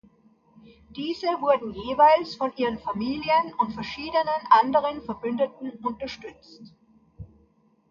Diese wurden jeweils von ihren Familien und verschiedenen anderen Verbündeten unterstützt.